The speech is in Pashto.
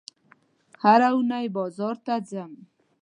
هره اونۍ بازار ته ځم